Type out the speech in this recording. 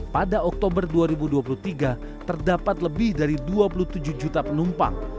pada oktober dua ribu dua puluh tiga terdapat lebih dari dua puluh tujuh juta penumpang